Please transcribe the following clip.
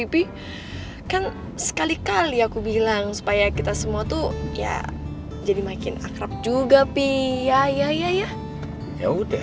tapi kan sekali kali aku bilang supaya kita semua tuh ya jadi makin akrab juga pi ya iya ya yaudah